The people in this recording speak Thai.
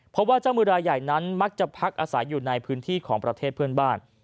เพราะว่าเจ้ามือรายใหญ่นั้นมักจะพักอาศัยอยู่ในพื้นที่ของประเทศเพื่อนบ้าน